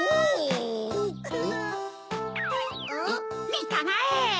みたまえ！